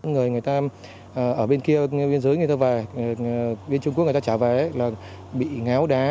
người người ta ở bên kia bên dưới người ta về bên trung quốc người ta trả vé là bị ngáo đá